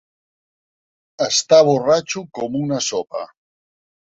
Està borratxo com una sopa.